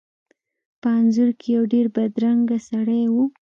په انځور کې یو ډیر بدرنګه سړی و.